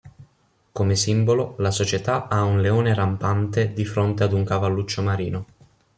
Come simbolo, la società ha un leone rampante di fronte ad un cavalluccio marino.